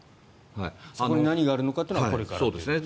そこに何があるかはこれからということですね。